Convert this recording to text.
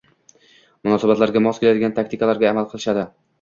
munosabatlarga mos keladigan taktikalarga amal qilishadi.